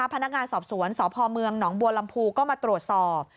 พนักงานสอบสวนสพเมืองหนองบัวลำพูก็มาตรวจสอบ